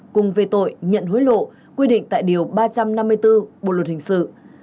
cùng về tội nhận hối lộ quy định tại điều ba trăm năm mươi bốn bộ luật hình sự